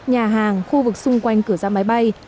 nhà hàng khu vực xung quanh cửa ra máy bay